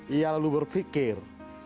ia lalu berpikir